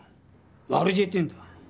悪知恵って言うんだ。